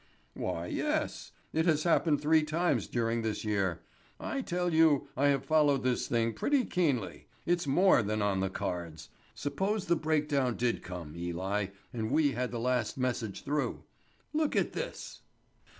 "Why, yes. It has happened three times during this year. I tell you I have followed this thing pretty keenly. It's more than on the cards. Suppose the breakdown did come, Eli, and we had the last message through? Look at this."